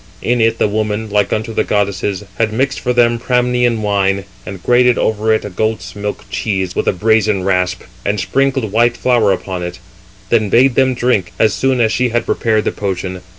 In it the woman, like unto the goddesses, had mixed for them Pramnian wine, and grated over it a goat's milk cheese with a brazen rasp, and sprinkled white flour upon it: then bade them drink, as soon as she had prepared the potion.